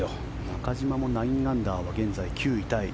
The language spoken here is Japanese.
中島も９アンダーは現在９位タイ。